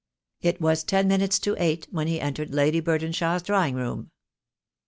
It was ten minutes to eight when he entered Lady Burdenshaw's drawing room.